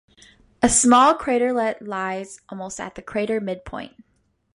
A small craterlet lies almost at the crater midpoint.